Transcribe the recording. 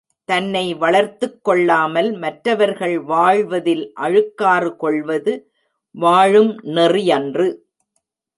தன்னை வளர்த்துக் கொள்ளாமல் மற்றவர்கள் வாழ்வதில் அழுக்காறு கொள்வது வாழும் நெறியன்று.